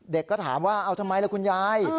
ก็ถามว่าเอาทำไมล่ะคุณยาย